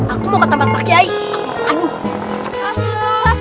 aku mau ke tempat pakai air